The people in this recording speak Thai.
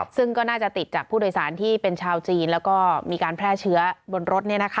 ซึ่งก็น่าจะติดจากผู้โดยสารที่เป็นชาวจีนแล้วก็มีการแพร่เชื้อบนรถ